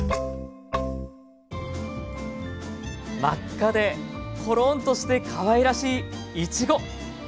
真っ赤でコロンとしてかわいらしいいちご。